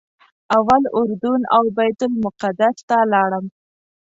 اول اردن او بیت المقدس ته لاړم.